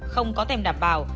không có thèm đảm bảo